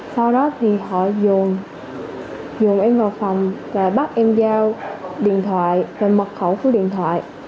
sau đó thì họ dồn dùng em vào phòng và bắt em giao điện thoại rồi mật khẩu của điện thoại